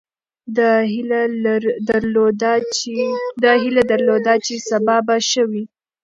ده هیله درلوده چې سبا به ښه وي.